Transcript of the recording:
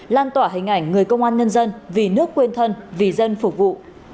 lan tỏa hình ảnh người công an nhân dân vì nước quên thân vì dân phục vụ